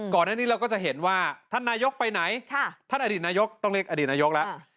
ก่อนอันนี้เราก็จะเห็นว่าท่านนายกไปไหนท่านอดีตนายกต้องเรียกอดีตนายกแล้ว